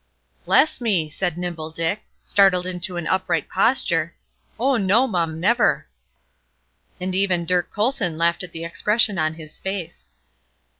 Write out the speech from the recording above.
"Bless me!" said Nimble Dick, startled into an upright posture; "oh, no, mum, never." And even Dirk Colson laughed at the expression on his face.